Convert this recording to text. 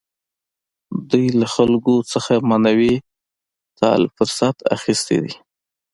دوی له خلکو څخه معنوي تعالي فرصت اخیستی دی.